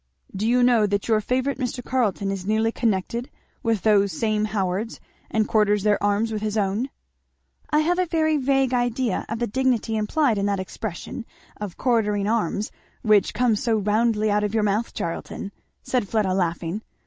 "Do you know that your favourite Mr. Carleton is nearly connected with those same Howards, and quarters their arms with his own?" "I have a very vague idea of the dignity implied in that expression of 'quartering arms,' which comes so roundly out of your mouth, Charlton," said Fleda laughing.